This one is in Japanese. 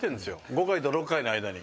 ５回と６回の間に。